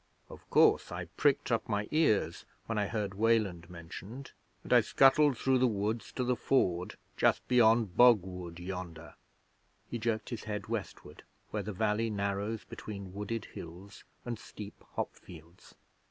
Of course, I pricked up my ears when I heard Weland mentioned, and I scuttled through the woods to the Ford just beyond Bog Wood yonder.' He jerked his head westward, where the valley narrows between wooded hills and steep hop fields.